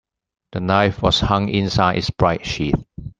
The knife was hung inside its bright sheath.